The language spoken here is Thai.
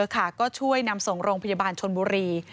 ก็ช่วยนำส่งโรงพยาบาลชนบุรี